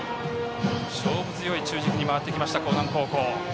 勝負強い中軸に回ってきました興南高校。